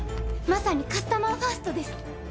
まさにカスタマーファーストです。